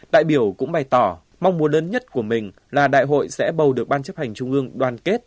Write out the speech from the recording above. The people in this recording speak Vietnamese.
đại biểu cũng bày tỏ mong muốn lớn nhất của mình là đại hội sẽ bầu được ban chấp hành trung ương đoàn kết